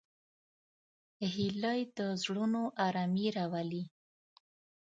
هیلۍ د زړونو آرامي راولي